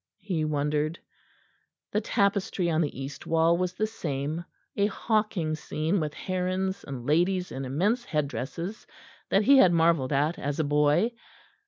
he wondered. The tapestry on the east wall was the same, a hawking scene with herons and ladies in immense headdresses that he had marvelled at as a boy.